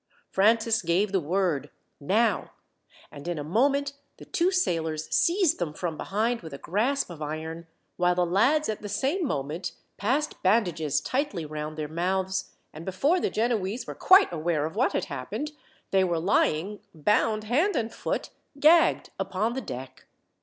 Francis gave the word, "Now," and in a moment the two sailors seized them from behind with a grasp of iron, while the lads at the same moment passed bandages tightly round their mouths, and before the Genoese were quite aware of what had happened, they were lying, bound hand and foot, gagged upon the deck.